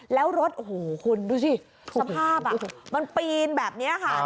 แล้วรถโอ้โหคุณดูสิสภาพมันปีนแบบนี้ค่ะ